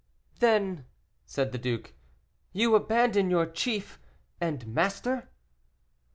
"Then," said the duke, "you abandon your chief and master?"